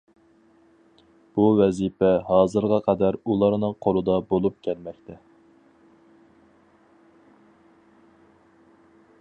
بۇ ۋەزىپە ھازىرغا قەدەر ئۇلارنىڭ قولىدا بولۇپ كەلمەكتە.